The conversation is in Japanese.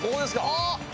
あっ！